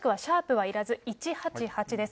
はいらず、１８８です。